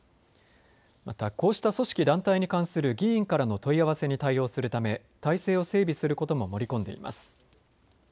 また、こうした組織・団体に関する議員からの問い合わせに対応するため体制を整備することも盛り込んでいます。